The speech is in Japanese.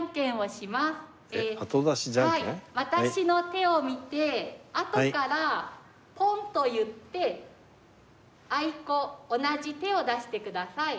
私の手を見てあとからポンと言ってあいこ同じ手を出してください。